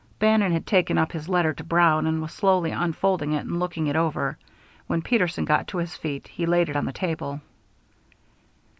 Bannon had taken up his letter to Brown, and was slowly unfolding it and looking it over. When Peterson got to his feet, he laid it on the table.